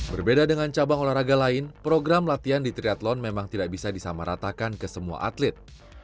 berbeda dengan cabang olahraga lain program latihan di triathlon memang tidak bisa disamaratakan ke semua atlet